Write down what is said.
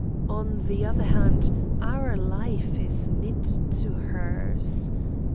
On the other hand, our life is knit to hers.